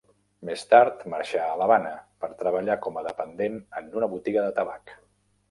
Més tard marxà a l'Havana per treballar com a dependent en una botiga de tabac.